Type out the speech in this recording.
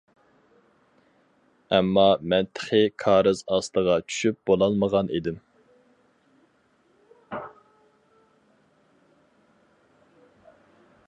ئەمما مەن تېخى كارىز ئاستىغا چۈشۈپ بولالمىغان ئىدىم.